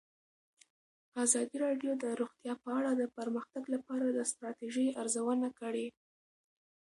ازادي راډیو د روغتیا په اړه د پرمختګ لپاره د ستراتیژۍ ارزونه کړې.